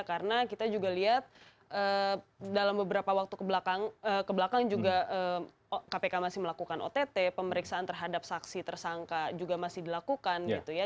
karena kita juga lihat dalam beberapa waktu kebelakang juga kpk masih melakukan ott pemeriksaan terhadap saksi tersangka juga masih dilakukan gitu ya